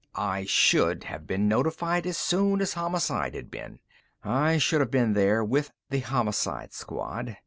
I should have been notified as soon as Homicide had been; I should have been there with the Homicide Squad.